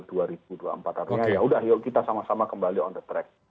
artinya yaudah yuk kita sama sama kembali on the track